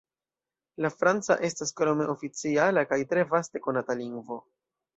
La franca estas krome oficiala kaj tre vaste konata lingvo.